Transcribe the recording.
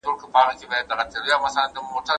هغه ځوان چي د وطن درد لري، اتل دی.